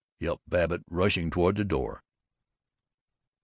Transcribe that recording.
yelped Babbitt, rushing toward the door.